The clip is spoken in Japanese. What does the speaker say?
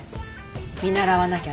見習わなきゃね。